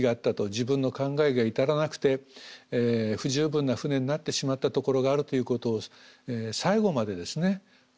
自分の考えが至らなくて不十分な船になってしまったところがあるということを最後までですね